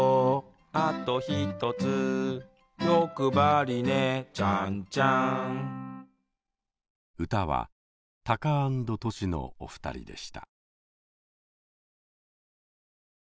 あと一つ欲張りねちゃんちゃん歌はタカアンドトシのお二人でした。